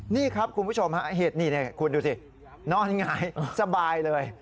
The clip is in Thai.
นี่ครับคุณผู้ชมฮะเหตุนี่คุณดูสินอนหงายสบายเลย